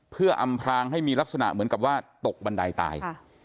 เพื่ออำพรางให้มีลักษณะเหมือนกับว่าตกบันไดตาย